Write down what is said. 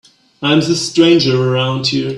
I'm the stranger around here.